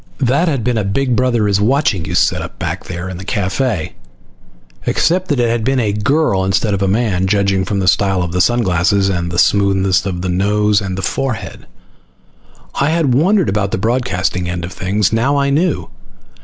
That had been a Big Brother is Watching you setup back there in the cafe, except that it had been a girl instead of a man, judging from the style of sun glasses and the smoothness of the nose and forehead. I had wondered about the broadcasting end of things. Now I knew.